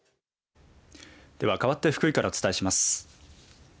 ではかわって福井からお伝えします。